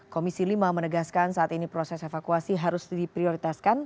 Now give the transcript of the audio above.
komisi lima menegaskan saat ini proses evakuasi harus diprioritaskan